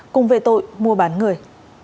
cùng về tội mua bán người